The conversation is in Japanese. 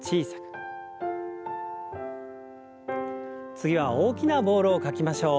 次は大きなボールを描きましょう。